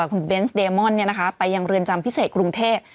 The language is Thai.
คุณเบนส์เดมอนไปยังเรือนจำพิเศษกรุงเทพ